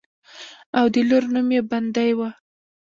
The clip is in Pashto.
او د لور نوم يې بندۍ وۀ